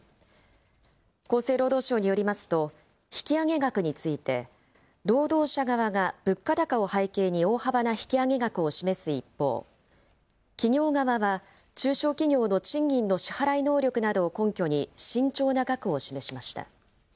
厚生労働省によりますと、引き上げ額について労働者側が物価高を背景に大幅な引き上げ額を示す一方、企業側は中小企業の賃金の支払い能力などを根拠に慎重な額を示しました。